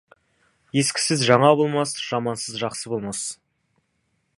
Ескісіз жаңа болмас, жамансыз жақсы болмас.